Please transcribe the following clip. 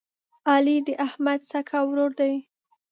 علي د احمد سکه ورور دی.